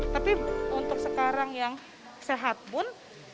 tapi untuk sekarang yang sehat pun